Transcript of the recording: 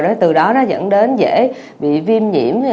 rồi từ đó nó dẫn đến dễ bị viêm nhiễm